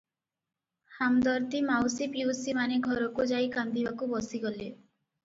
ହାମଦରଦୀ ମାଉସୀ ପିଉସୀମାନେ ଘରକୁ ଯାଇ କାନ୍ଦିବାକୁ ବସିଗଲେ ।